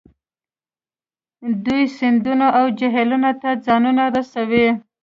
دوی سیندونو او جهیلونو ته ځانونه رسوي